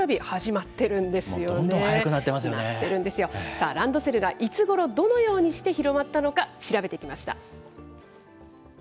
なってるんですよ、さあ、ランドセルがいつごろどのようにして、広まったのか、調べてきました。